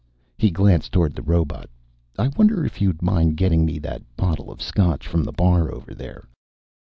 He glanced toward the robot. "I wonder if you'd mind getting me that bottle of Scotch from the bar over there."